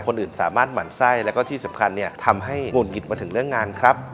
คนอื่นสามารถหมั่นไส้แล้วก็ที่สำคัญเนี่ยทำให้หงุดหงิดมาถึงเรื่องงานครับ